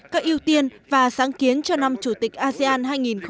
các ưu tiên và sáng kiến cho năm chủ tịch asean hai nghìn hai mươi